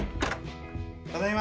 ただいま。